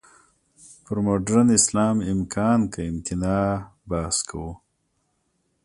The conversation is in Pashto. پر «مډرن اسلام، امکان که امتناع؟» بحث کوو.